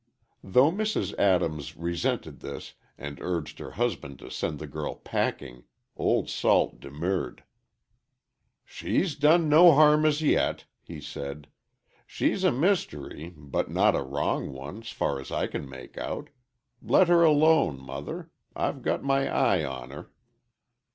Though Mrs. Adams resented this, and urged her husband to send the girl packing, Old Salt demurred. "She's done no harm as yet," he said. "She's a mystery, but not a wrong one, 's far's I can make out. Let her alone, mother. I've got my eye on her."